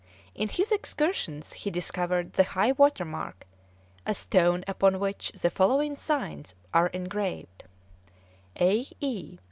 In his excursions he discovered the high water mark, a stone upon which the following signs are engraved: (E. I.)